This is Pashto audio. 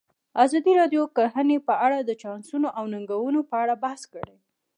ازادي راډیو د کرهنه په اړه د چانسونو او ننګونو په اړه بحث کړی.